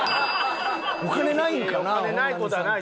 お金ないんかな？